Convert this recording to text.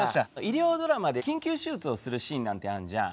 医療ドラマで緊急手術をするシーンなんてあんじゃん。